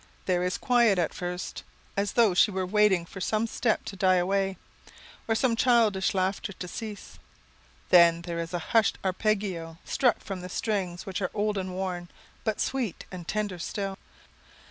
There is quiet at first, as though she were waiting for some step to die away, or some childish laughter to cease. Then there is a hushed arpeggio, struck from strings which are old and worn, but sweet and tender still.